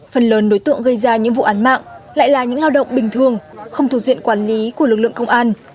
phần lớn đối tượng gây ra những vụ án mạng lại là những lao động bình thường không thuộc diện quản lý của lực lượng công an